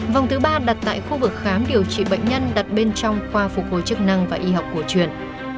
vòng thứ ba đặt tại khu vực khám điều trị bệnh nhân đặt bên trong khoa phục hồi chức năng và y học cổ truyền